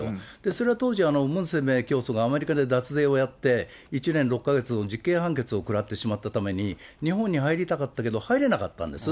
それは当時、文鮮明教祖がアメリカで脱税をやって、１年６か月実刑判決を食らってしまったために、日本に入りたかったけど入れなかったんです。